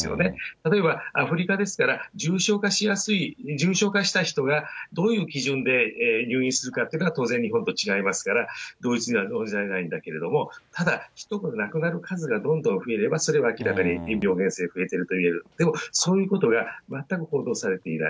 例えば、アフリカですから、重症化しやすい、重症化した人が、どういう基準で入院するかというのが当然日本と違いますから、同一には論じられないんだけれども、ただ人が亡くなる数がどんどん増えれば、それは明らかに、でもそういうことが全く報道されていない。